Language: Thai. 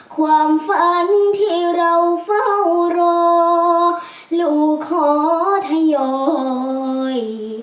ความฝันที่เราเฝ้ารอลูกขอทยอย